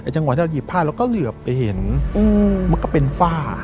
จังหวะที่เราหยิบผ้าเราก็เหลือไปเห็นมันก็เป็นฝ้า